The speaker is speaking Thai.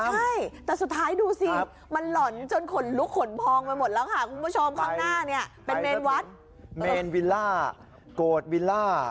ใช่แต่สุดท้ายดูซิมันหล่อนจนขนลุกขนพองไปหมดแล้วค่ะ